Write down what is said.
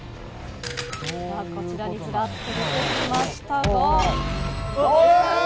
こちらにずらっと出てきましあー！